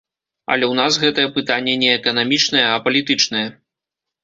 Але ў нас гэтае пытанне не эканамічнае, а палітычнае.